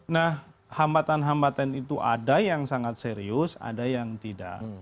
nah hambatan hambatan itu ada yang sangat serius ada yang tidak